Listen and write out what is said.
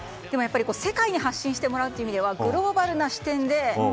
世界に発信してもらう意味ではグローバルな視点で。